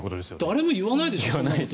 誰も言わないでしょ。